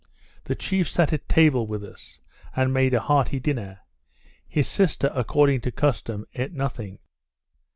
The chief sat at table with us, and made a hearty dinner; his sister, according to custom, eat nothing.